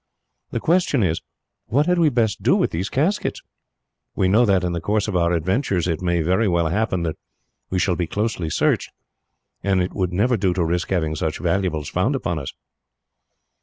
The question is, what had we best do with these caskets? We know that, in the course of our adventures, it may very well happen that we shall be closely searched, and it would never do to risk having such valuables found upon us."